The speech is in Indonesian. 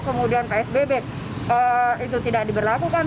kemudian psbb itu tidak diberlakukan